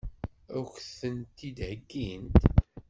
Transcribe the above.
Ad k-tent-id-heggint?